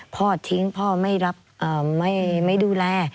พ่อทิ้งพ่อไม่รับไม่ดูแล